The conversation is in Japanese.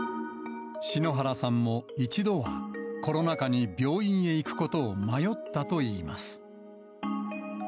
篠原さんも一度は、コロナ禍に病院へ行くことを迷ったといいます。